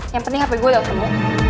yang penting hape gue tau temen lo